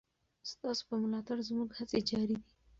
ستاسو په ملاتړ زموږ هڅې جاري دي.